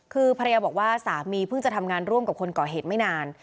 คือภรรยาบอกว่าสามีเพิ่งจะทำงานร่วมกับคนก่อเหตุไม่นาน